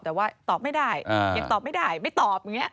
แต่ว่าตอบไม่ได้ยังตอบไม่ได้ไม่ตอบอย่างนี้